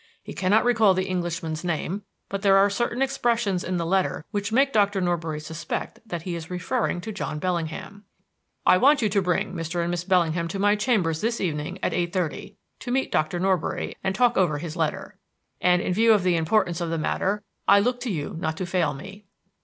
He cannot recall the Englishman's name, but there are certain expressions in the letter which make Dr. Norbury suspect that he is referring to John Bellingham._ "_I want you to bring Mr. and Miss Bellingham to my chambers this evening at 8.30, to meet Dr. Norbury and talk over his letter; and in view of the importance of the matter, I look to you not to fail me.